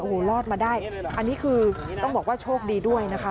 โอ้โหรอดมาได้อันนี้คือต้องบอกว่าโชคดีด้วยนะคะ